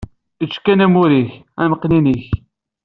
Ečč kan amur-ik, amqennin-ik!